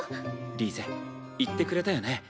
リーゼ言ってくれたよね？